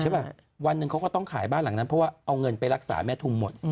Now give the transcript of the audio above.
ว้านหนึ่งก็ต้องขายบ้านหลังนั้นเพราะว่าเงินไปรักษาแม่ทุมหมด